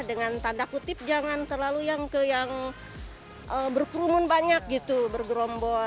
dengan tanda kutip jangan terlalu yang berkerumun banyak gitu bergerombol